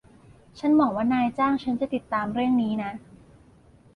ฉันหวงัว่านายจ้างฉันจะติดตามเรื่องนี้นะ